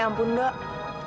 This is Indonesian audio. ya ampun dok